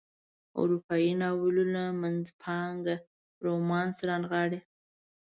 اروپایي ناولونو منځپانګه رومانس رانغاړي.